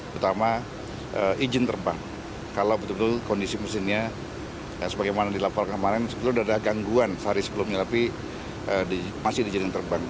pertama izin terbang kalau betul betul kondisi mesinnya sebagaimana dilaporkan kemarin sebetulnya sudah ada gangguan sehari sebelumnya tapi masih dijadikan terbang